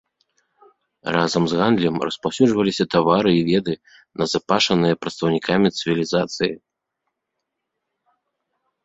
Разам з гандлем распаўсюджваліся тавары і веды, назапашаныя прадстаўнікамі цывілізацыі.